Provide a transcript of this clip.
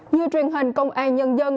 như truyền hình công an nhân dân